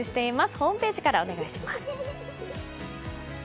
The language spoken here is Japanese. ホームページからお願いします。